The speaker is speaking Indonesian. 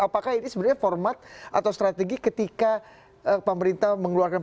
apakah ini sebenarnya format atau strategi ketika pemerintah mengeluarkan